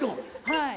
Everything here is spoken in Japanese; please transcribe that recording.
はい。